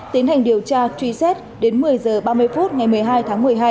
tiến hành điều tra truy xét đến một mươi h ba mươi phút ngày một mươi hai tháng một mươi hai